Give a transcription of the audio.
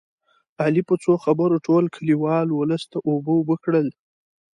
علي په څو خبرو ټول کلیوال اولس ته اوبه اوبه کړل